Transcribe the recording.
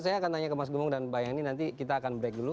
saya akan tanya ke mas gemung dan bayangin nanti kita akan break gitu